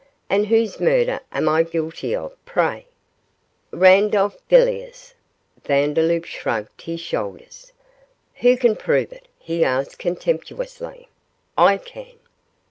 and whose murder am I guilty of, pray?' 'Randolph Villiers.' Vandeloup shrugged his shoulders. 'Who can prove it?' he asked, contemptuously. 'I can!